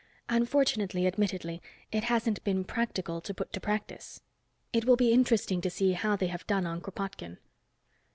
"Unfortunately, admittedly, it hasn't been practical to put to practice. It will be interesting to see how they have done on Kropotkin."